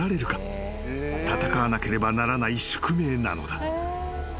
［戦わなければならない宿命なのだ］